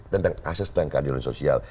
tentang asas tentang keadilan sosial